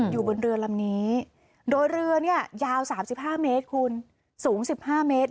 อยู่บนเรือลำนี้โดยเรือเนี่ยยาว๓๕เมตรคุณสูง๑๕เมตร